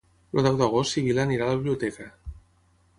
El deu d'agost na Sibil·la irà a la biblioteca.